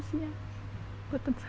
saya tidak bisa berubah